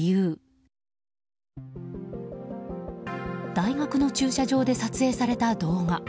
大学の駐車場で撮影された動画。